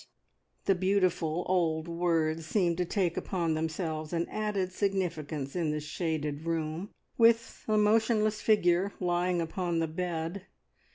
'" The beautiful old words seemed to take upon themselves an added significance in the shaded room, with the motionless figure lying upon the bed.